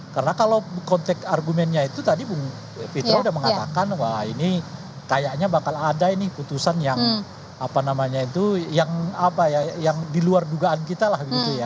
karena kalau konteks argumennya itu tadi bung fitra udah mengatakan wah ini kayaknya bakal ada ini putusan yang apa namanya itu yang apa ya yang di luar dugaan kita lah gitu ya